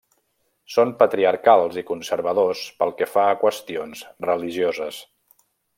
Són patriarcals i conservadors pel que fa a qüestions religioses.